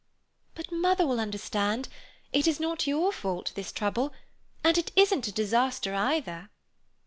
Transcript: "But mother will understand. It is not your fault, this trouble, and it isn't a disaster either."